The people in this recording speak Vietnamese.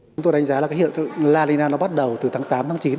chúng tôi đánh giá là cái hiện tượng la nina nó bắt đầu từ tháng tám tháng chín